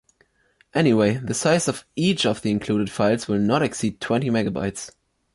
Anyway, the size of each of the included files will not exceed twenty megabytes.